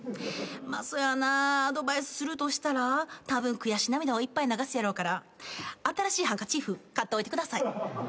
まあそやなアドバイスするとしたらたぶん悔し涙をいっぱい流すやろうから新しいハンカチーフ買っといてください。